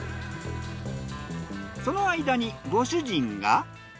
その間にご主人が。